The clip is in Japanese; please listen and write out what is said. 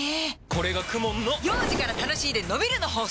これがＫＵＭＯＮの幼児から楽しいでのびるの法則！